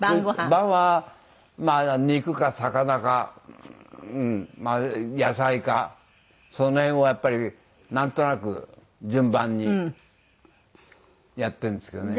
晩は肉か魚か野菜かその辺をやっぱりなんとなく順番にやってるんですけどね。